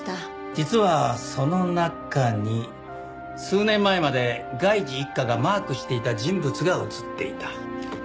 実はその中に数年前まで外事一課がマークしていた人物が映っていた。